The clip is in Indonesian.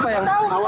apa yang berantem